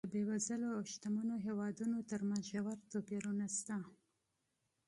د بېوزلو او شتمنو هېوادونو ترمنځ ژور توپیرونه شته.